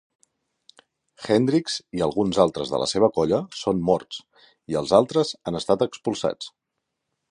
Hendricks i alguns altres de la seva colla són morts, i els altres han estat expulsats.